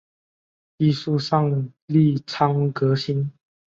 艺术上力倡革新